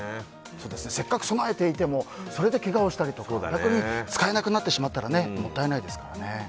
せっかく備えていてもそれでけがをしたりとか逆に使えなくなってしまったらもったいないですからね。